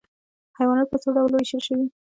حیوانات په څو ډلو ویشل شوي؟